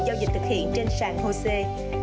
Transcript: giao dịch thực hiện trên sàn hosea